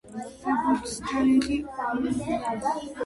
საბუთს თარიღი არ უზის.